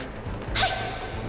はい！